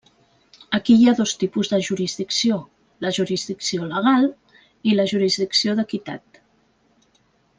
Aquí hi ha dos tipus de jurisdicció: la jurisdicció legal i la jurisdicció d'equitat.